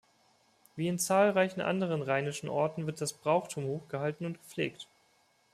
Wie in zahlreichen anderen rheinischen Orten wird das Brauchtum hochgehalten und gepflegt.